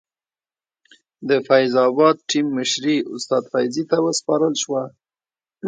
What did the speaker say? د فیض اباد ټیم مشر استاد فیضي ته وسپارل شوه.